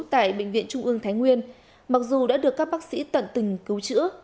tại bệnh viện trung ương thái nguyên mặc dù đã được các bác sĩ tận tình cứu chữa